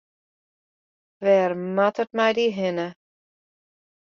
Wêr moat it mei dy hinne?